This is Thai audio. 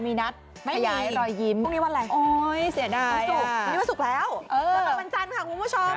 วันต่อวันจันทร์ค่ะคุณผู้ชม